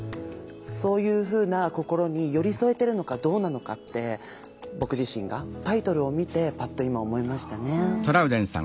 そういうふうな心に寄り添えてるのかどうなのかって僕自身がタイトルを見てパッと今思いましたね。